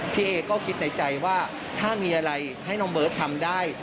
พี่เอก็คิดในใจว่าถ้ามีอะไรให้น้องเบิร์ตทำได้